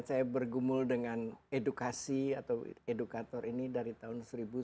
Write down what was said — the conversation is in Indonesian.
saya bergumul dengan edukasi atau edukator ini dari tahun seribu sembilan ratus sembilan puluh